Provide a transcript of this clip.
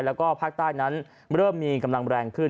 แล้วก็ภาคใต้นั้นเริ่มมีกำลังแรงขึ้น